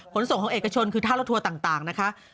ขนส่งของเอกชนคือท่ารถทัวร์ต่างนะคะ